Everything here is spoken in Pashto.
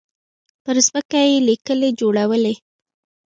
پر ځمکه يې ليکې جوړولې.